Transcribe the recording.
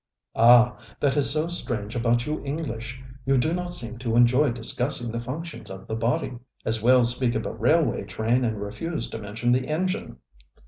ŌĆ£Ah, that is so strange about you English. You do not seem to enjoy discussing the functions of the body. As well speak of a railway train and refuse to mention the engine.